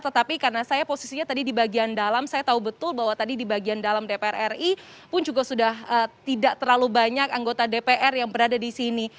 tetapi karena saya posisinya tadi di bagian dalam saya tahu betul bahwa tadi di bagian dalam dpr ri pun juga sudah tidak terlalu banyak anggota dpr yang berada di sini